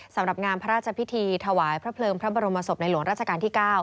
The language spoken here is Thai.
สำหรับงานพระราชพิธีถวายพระเพลิงพระบรมศพในหลวงราชการที่๙